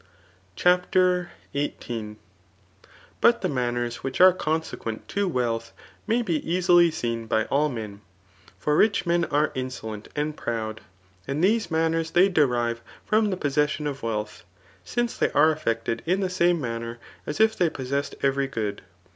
CHAPTER XVIIL But the manners which are consequent to wealth may be easily seen by all men. For rich, men. are insolent and proud, and these manners they derive from the pos* sesdon of wealth ; since they are affected in the same manner as if they possessed every good.